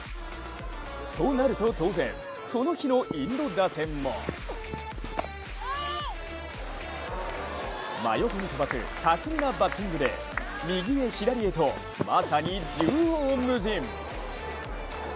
となると当然、この日のインド打線も真横に飛ばす巧みなバッティングで右へ左へと、まさに縦横無尽。